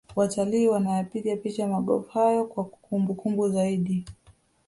watalii wanayapiga picha magofu hayo kwa kumbukumbu zaidi